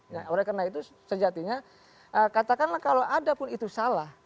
nah oleh karena itu sejatinya katakanlah kalau ada pun itu salah